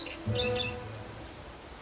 ketika mereka menjelaskan